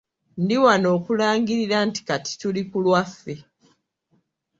Ndi wano okulangirira nti kati tuli ku lwaffe.